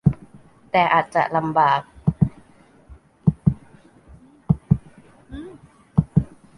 แต่อาจจะลำบาก